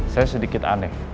saya sedikit aneh